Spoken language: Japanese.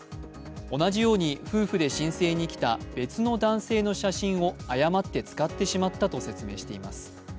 同じように夫婦で申請に来た別の男性の写真を誤って使ってしまったと説明しています。